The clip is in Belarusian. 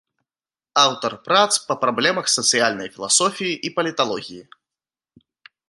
Аўтар прац па праблемах сацыяльнай філасофіі і паліталогіі.